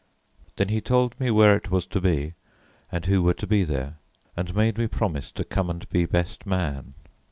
Then he told me where it was to be and who were to be there, and made me promise to come and be best man.